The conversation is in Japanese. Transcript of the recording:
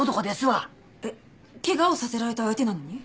えっ怪我をさせられた相手なのに？